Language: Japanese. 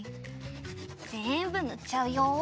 ぜんぶぬっちゃうよ。